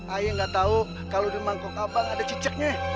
ayah gak tahu kalau di mangkok abang ada cicaknya